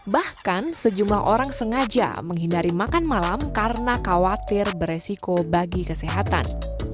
bahkan sejumlah orang sengaja menghindari makan malam karena khawatir beresiko bagi kesehatan